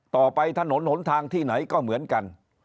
ถนนหนทางที่ไหนก็เหมือนกัน